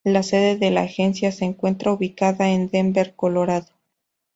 La sede de la agencia se encuentra ubicada en Denver, Colorado.